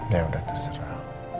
ya udah terserah